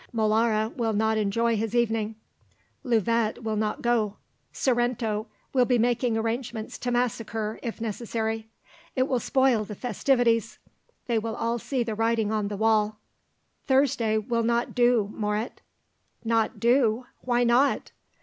Molara will not enjoy his evening; Louvet will not go; Sorrento will be making arrangements to massacre, if necessary. It will spoil the festivities; they will all see the writing on the wall." "Thursday will not do, Moret." "Not do! Why not?"